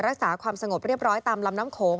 รักษาความสงบเรียบร้อยตามลำน้ำโขง